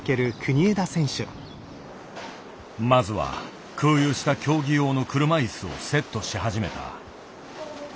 まずは空輸した競技用の車いすをセットし始めた。